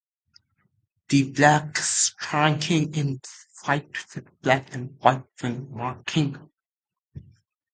The bird is striking in flight, with black and white wing markings.